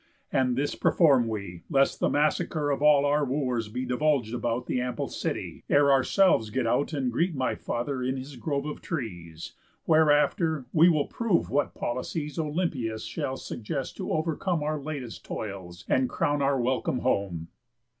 And this perform we, lest the massacre Of all our Wooers be divulg'd about The ample city, ere ourselves get out And greet my father in his grove of trees, Where, after, we will prove what policies Olympius shall suggest to overcome Our latest toils, and crown our welcome home."